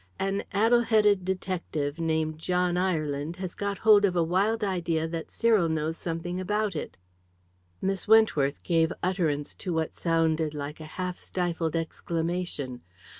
An addle headed detective, named John Ireland, has got hold of a wild idea that Cyril knows something about it." Miss Wentworth gave utterance to what sounded like a half stifled exclamation.